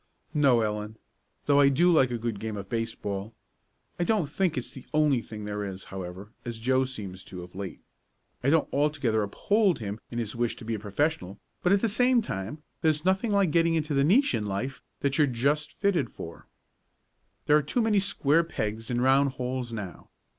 "No, Ellen. Though I do like a good game of baseball. I don't think it's the only thing there is, however, as Joe seems to, of late. I don't altogether uphold him in his wish to be a professional, but, at the same time, there's nothing like getting into the niche in life that you're just fitted for. "There are too many square pegs in round holes now.